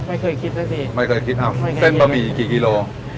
ไม่เคยคิดนะสิไม่เคยคิดเอาเส้นบะหมี่กี่กิโล